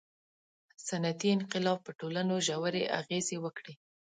• صنعتي انقلاب په ټولنو ژورې اغېزې وکړې.